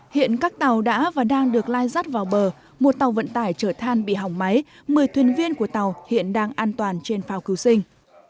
hiện các tàu đã và đang được lai rắt vào bờ một tàu vận tải chở than bị hỏng máy một mươi thuyền viên của tàu hiện đang an toàn trên phao cứu sinh